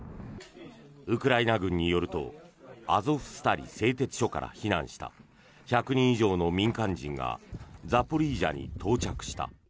ウクライナ軍によるとアゾフスタリ製鉄所から避難した１００人以上の民間人がザポリージャに到着した。